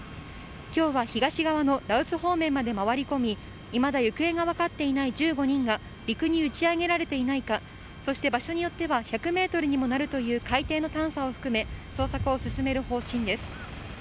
きょうは東側の羅臼方面まで回り込み、いまだ行方が分かっていない１５人が陸に打ち上げられていないか、そして場所によっては１００メートルにもなるという海底の探査を含め、捜索を進める方針です。